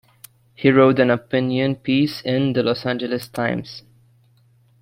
He wrote an opinion piece in the "Los Angeles Times".